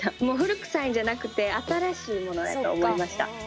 もう古くさいんじゃなくて新しいものやと思いました。